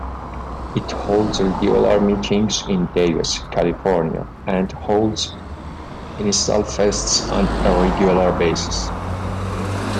It holds regular meetings in Davis, California, and holds installfests on a regular basis.